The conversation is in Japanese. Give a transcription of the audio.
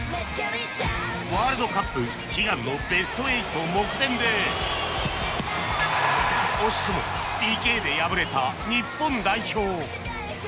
ワールドカップ悲願のベスト８目前で惜しくも ＰＫ で敗れた日本代表